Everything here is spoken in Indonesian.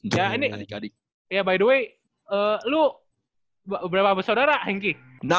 ya ini ya by the way lu berapa besodara hengki